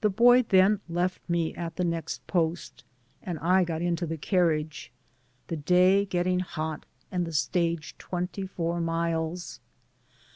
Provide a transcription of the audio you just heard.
The boy then left me at the next post, and I got into the carriage— the day getting hot, and the stage tweqty four miles.